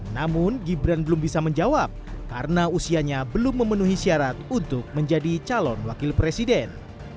namun gibran belum bisa menjawab karena usianya belum memenuhi syarat untuk menjadi calon wakil presiden